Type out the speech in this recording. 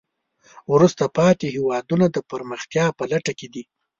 وروسته پاتې هېوادونه د پرمختیا په لټه کې دي.